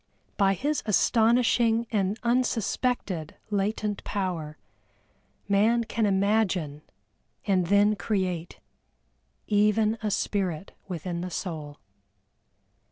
By his astonishing and unsuspected latent power, Man can imagine and then create, even a spirit within the soul.